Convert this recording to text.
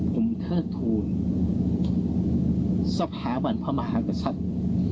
ผมเทิดทูลสถาบันพระมหากษัตริย์